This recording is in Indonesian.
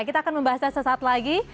kita akan membahasnya sesaat lagi